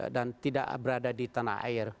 dan tidak berada di tanah air